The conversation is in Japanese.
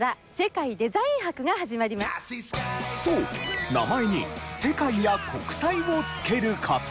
そう名前に「世界」や「国際」を付ける事。